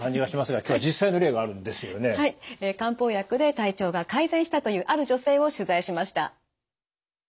漢方薬で体調が改善したというある女性を取材しました。